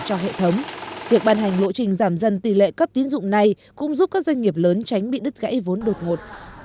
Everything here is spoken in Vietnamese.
tổ chức tiến dụng cấp tiến dụng này cũng giúp các doanh nghiệp lớn tránh bị đứt gãy vốn đột ngột